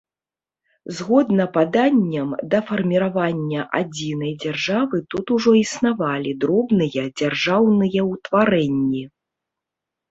Згодна паданням, да фарміравання адзінай дзяржавы тут ўжо існавалі дробныя дзяржаўныя ўтварэнні.